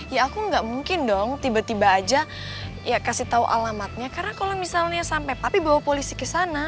ya aku gak mungkin dong tiba tiba aja ya kasih tau alamatnya karena kalau misalnya sampai papi bawa polisi kesana